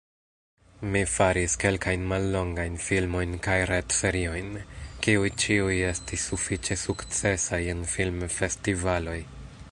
Mi faris kelkajn mallongajn filmojn kaj retseriojn, kiuj ĉiuj estis sufiĉe sukcesaj en filmfestivaloj.